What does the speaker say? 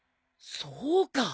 そうか！